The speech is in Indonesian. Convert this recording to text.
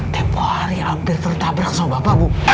tiap hari hampir tertabrak sama bapak bu